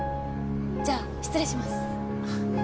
じゃ失礼します。